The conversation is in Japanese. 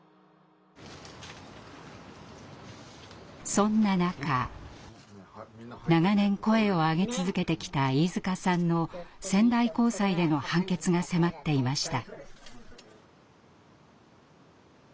そんな中長年声を上げ続けてきた飯塚さんの仙台高裁での判決が迫っていました。